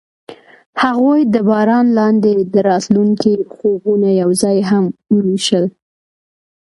هغوی د باران لاندې د راتلونکي خوبونه یوځای هم وویشل.